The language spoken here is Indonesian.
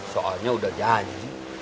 soalnya udah janji